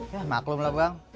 ya maklum lah bang